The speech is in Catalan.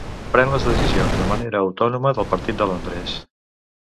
Pren les decisions de manera autònoma del partit de Londres.